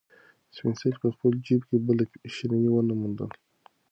سپین سرې په خپل جېب کې بله شيرني ونه موندله.